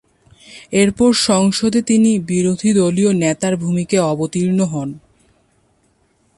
এরপর সংসদে তিনি বিরোধীদলীয় নেতার ভূমিকায় অবতীর্ণ হন।